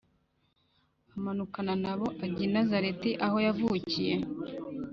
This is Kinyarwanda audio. Amanukana na bo ajya i Nazareti aho yavukiye